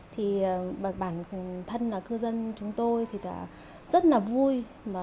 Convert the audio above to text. thì bản thân là cư dân chúng tôi thì rất là vui